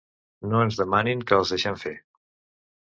No ens demanin que els deixem fer.